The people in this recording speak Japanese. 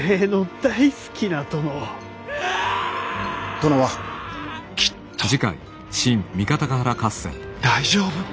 殿はきっと大丈夫。